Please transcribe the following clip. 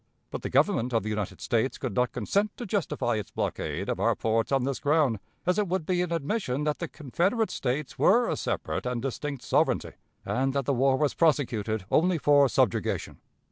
But the Government of the United States could not consent to justify its blockade of our ports on this ground, as it would be an admission that the Confederate States were a separate and distinct sovereignty, and that the war was prosecuted only for subjugation.